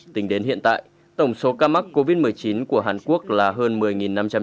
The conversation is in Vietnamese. tính đến hiện tại tổng số ca mắc covid một mươi chín của hàn quốc là hơn một mươi năm trăm linh ca